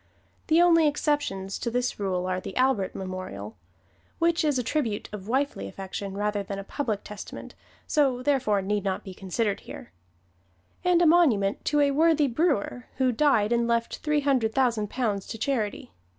The only exceptions to this rule are the Albert Memorial which is a tribute of wifely affection rather than a public testimonial, so therefore need not be considered here and a monument to a worthy brewer who died and left three hundred thousand pounds to charity.